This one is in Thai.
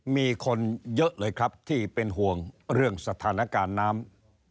มีคนเยอะเลยครับที่เป็นห่วงเรื่องสถานการณ์น้ำ